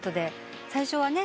最初はね